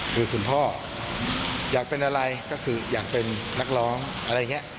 คือคุณพ่ออยากเป็นอะไรก็คืออยากเป็นนักร้องอะไรอย่างนี้